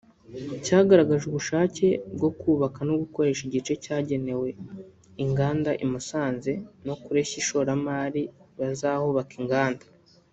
cyagaragaje ubushake bwo kubaka no gukoresha igice cyagenewe inganda i Musanze no kureshya abashoramari bazahubaka inganda